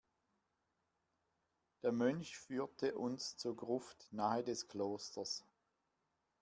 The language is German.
Der Mönch führte uns zur Gruft nahe des Klosters.